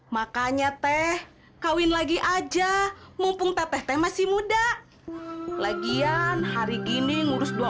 makannya teh kawin lagi aja mumpung teteh teh masih muda lagian hari gini ngurus dua